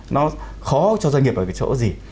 nó khó cho doanh nghiệp ở cái chỗ gì